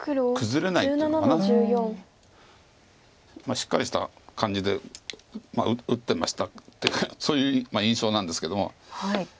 しっかりした感じで打ってましたってそういう印象なんですけども。